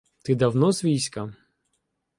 Ти давно з війська?